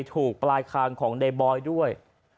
ถูกปลายคางของในบอยด้วย